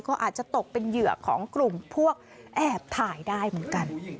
ก็อาจจะตกเป็นเหยื่อของกลุ่มพวกแอบถ่ายได้เหมือนกัน